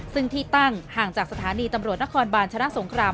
ซึ่งที่ตั้งห่างจากสถานีตำรวจนครบาลชนะสงคราม